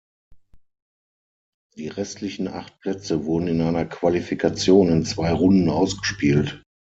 Die restlichen acht Plätze wurden in einer Qualifikation in zwei Runden ausgespielt.